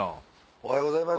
おはようございます！